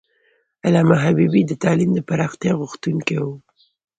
علامه حبیبي د تعلیم د پراختیا غوښتونکی و.